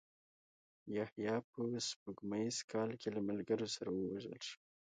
یحیی په سپوږمیز کال کې له ملګرو سره ووژل شو.